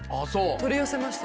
取り寄せました。